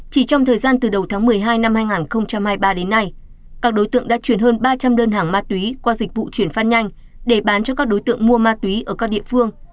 chỉ trong thời gian từ đầu tháng một mươi hai năm hai nghìn hai mươi ba đến nay các đối tượng đã chuyển hơn ba trăm linh đơn hàng ma túy qua dịch vụ chuyển phát nhanh để bán cho các đối tượng mua ma túy ở các địa phương